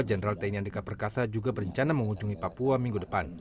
jenderal tni andika perkasa juga berencana mengunjungi papua minggu depan